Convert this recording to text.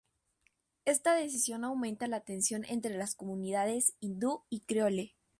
Esta decisión aumenta la tensión entre las comunidades Hindú y Creole.